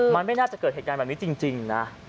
มันไม่น่าจะเกิดเหตุการณ์แบบนี้จริงนะ